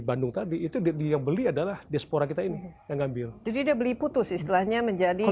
bandung tadi itu dia beli adalah diaspora kita ini yang ngambil jadi dia beli putus istilahnya menjadi